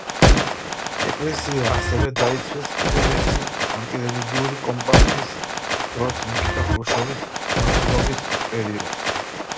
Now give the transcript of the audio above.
ეკლესია ასევე დაიცვეს კიდევ ერთი ანტირელიგიური კამპანიის დროს ნიკიტა ხრუშჩოვის მმართველობის პერიოდში.